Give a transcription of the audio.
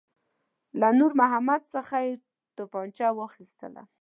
له نور محمد څخه یې توپنچه واخیستله.